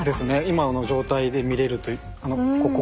今の状態で見れるとここ。